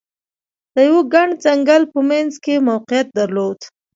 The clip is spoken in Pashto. د یوه ګڼ ځنګل په منځ کې موقعیت درلود.